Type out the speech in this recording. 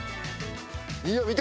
いや見て！